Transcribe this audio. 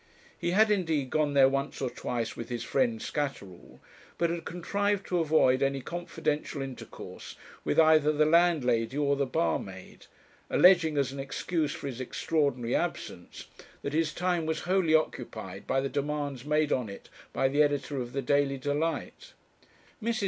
He had, indeed, gone there once or twice with his friend Scatterall, but had contrived to avoid any confidential intercourse with either the landlady or the barmaid, alleging, as an excuse for his extra ordinary absence, that his time was wholly occupied by the demands made on it by the editor of the Daily Delight. Mrs.